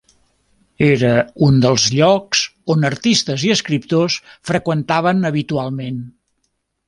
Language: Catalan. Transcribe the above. Era un dels llocs on artistes i escriptors freqüentaven habitualment.